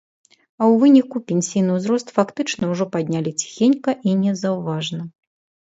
А ў выніку пенсійны ўзрост фактычна ўжо паднялі ціхенька і незаўважна.